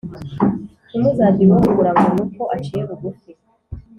ntimuzagire uwo musuzugura ngo ni uko aciye bugufi.